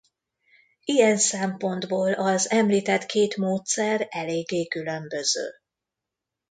Ilyen szempontból az említett két módszer eléggé különböző.